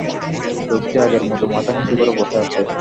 লোকটি আগের মতো মাথা নিচু করে বসে আছে।